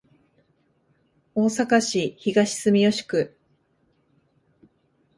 大阪市東住吉区